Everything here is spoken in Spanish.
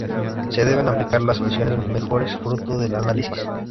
Se deben aplicar las soluciones mejores fruto del análisis.